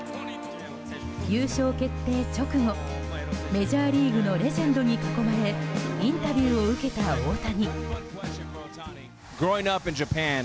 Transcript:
優勝決定直後、メジャーリーグのレジェンドに囲まれインタビューを受けた大谷。